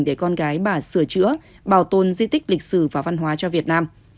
để con gái bà sửa chữa bảo tồn di tích lịch sử và văn hóa cho việt nam